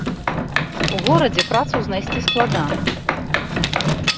У горадзе працу знайсці складана.